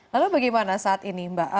lalu bagaimana saat ini mbak